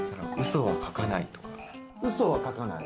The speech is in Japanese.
うそは書かない。